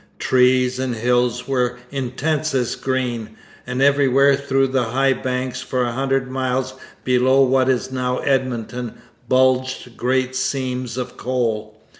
Trees and hills were intensest green, and everywhere through the high banks for a hundred miles below what is now Edmonton bulged great seams of coal.